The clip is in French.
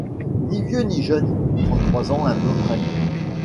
Ni vieux ni jeune, trente-trois ans à peu près.